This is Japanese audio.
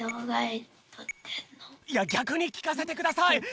いやぎゃくにきかせてください。